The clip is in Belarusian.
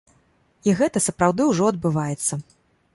І гэта сапраўды ўжо адбываецца.